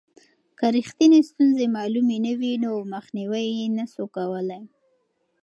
که رښتینې ستونزې معلومې نه وي نو مخنیوی یې نسو کولای.